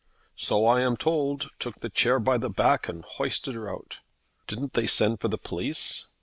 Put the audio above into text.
"So I am told; took the chair by the back and hoisted her out." "Didn't they send for the police?"